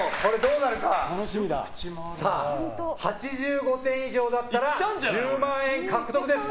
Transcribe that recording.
８５点以上だったら１０万円獲得です。